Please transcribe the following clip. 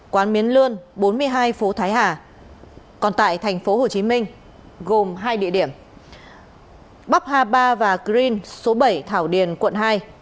quán miến lươn bốn mươi hai phố thái hà còn tại tp hcm gồm hai địa điểm bắc hà ba và green số bảy thảo điền quận hai